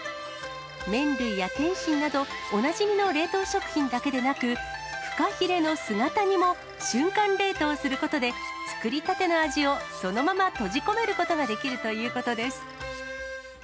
麺類や点心など、おなじみの冷凍食品だけでなく、フカヒレの姿煮も瞬間冷凍することで、作りたての味をそのまま閉じ込めることができるということです。